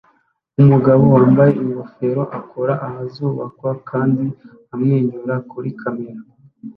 Umugabo wambaye ingofero akora ahazubakwa kandi amwenyura muri kamera